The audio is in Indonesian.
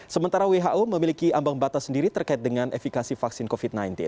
sementara who memiliki ambang batas sendiri terkait dengan efikasi vaksin covid sembilan belas